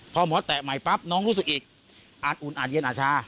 พอหมอแตะใหม่ปั๊บน้องรู้สึกอีกอาจอุ่นอาจเย็นอาชา